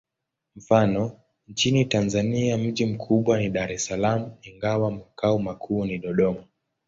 Mfano: nchini Tanzania mji mkubwa ni Dar es Salaam, ingawa makao makuu ni Dodoma.